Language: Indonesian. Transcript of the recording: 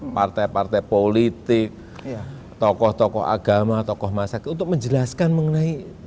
partai partai politik tokoh tokoh agama tokoh masyarakat untuk menjelaskan mengenai